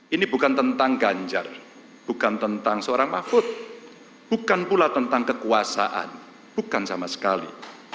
ini bukan tentang ganjar bukan tentang seorang mahfud bukan pula tentang kekuasaan bukan sama sekali